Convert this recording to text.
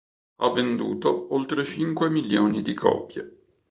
Ha venduto oltre cinque milioni di copie.